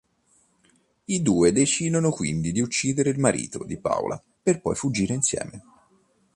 I due decidono quindi di uccidere il marito di Paola per poi fuggire insieme.